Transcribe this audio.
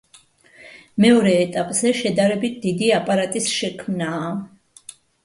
მეორე ეტაპზე შედარებით დიდი აპარატის შექმნაა.